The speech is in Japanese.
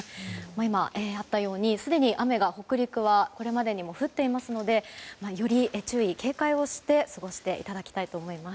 今あったようにすでに雨が北陸はこれまでにも降っていますのでより注意、警戒をして過ごしていただきたいと思います。